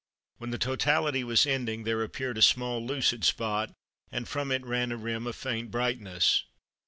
When the totality was ending there appeared a small lucid spot, and from it ran a rim of faint brightness.